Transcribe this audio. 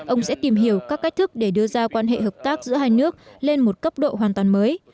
ông sẽ tìm hiểu các cách thức để đưa ra quan hệ hợp tác giữa hai nước lên một cấp độ hoàn toàn mới